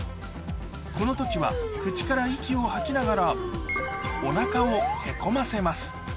この時は口から息を吐きながらお腹をへこませます